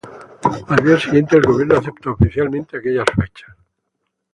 Al día siguiente, el gobierno aceptó oficialmente aquellas fechas.